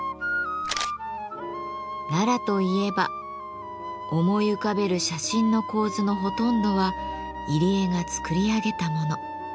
奈良といえば思い浮かべる写真の構図のほとんどは入江が作り上げたもの。